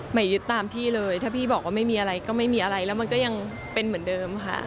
หมายยึดตามพี่เลยถ้าพี่บอกว่าไม่มีอะไรก็ไม่มีอะไรแล้วมันก็ยังเป็นเหมือนเดิมค่ะ